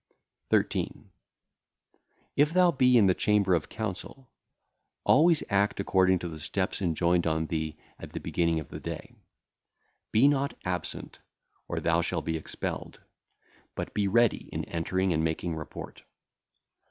13. If thou be in the chamber of council, act always according to the steps enjoined on thee at the beginning of the day. Be not absent, or thou shall be expelled; but be ready in entering and making report.